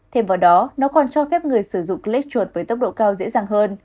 thêm vào đó nó còn cho phép người sử dụng click chuột với tốc độ cao dễ dàng hơn